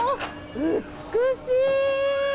美しい！